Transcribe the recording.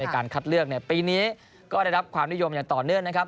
การคัดเลือกปีนี้ก็ได้รับความนิยมอย่างต่อเนื่องนะครับ